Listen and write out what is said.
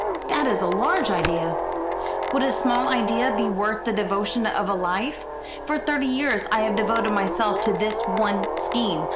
"That is a large idea!" "Would a small idea be worth the devotion of a life? For thirty years I have devoted myself to this one scheme.